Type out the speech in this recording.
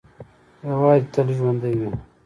هیواد دې تل ژوندی وي.